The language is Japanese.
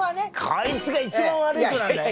こいつが一番悪い子なんだよ。